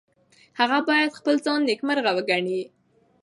هغه باید خپل ځان نیکمرغه وګڼي.